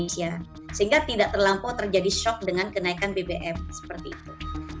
sehingga tidak terlampau terjadi shock dengan kenaikan bbm seperti itu